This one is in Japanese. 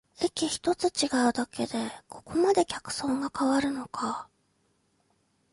駅ひとつ違うだけでここまで客層が変わるのか